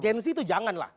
gen z itu janganlah